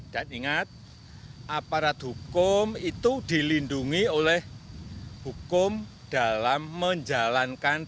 dan ingat aparat hukum itu dilindungi oleh hukum dalam menjalankan